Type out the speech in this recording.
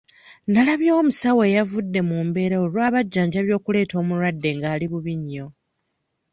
Nalabye omusawo eyavudde mu mbeera olw'abajjanjabi okuleeta omulwadde ng'ali bubi nnyo.